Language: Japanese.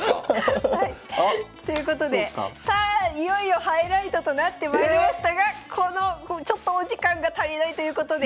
いよいよハイライトとなってまいりましたがちょっとお時間が足りないということで。